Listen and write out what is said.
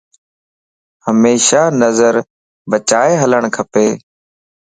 ھميشا نظر بچائي ھلڻ کپ